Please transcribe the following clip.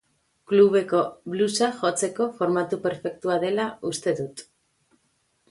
Klubeko bluesa jotzeko formatu perfektua dela uste dut.